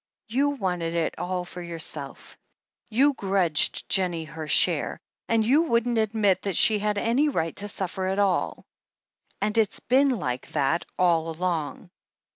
You wanted it all for yourself — ^you grudged Jennie her share, and you wouldn't admit that she had any right to suffer at all. "And it's been like that all along.